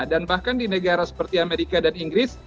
dan bahkan di negara seperti amerika dan inggris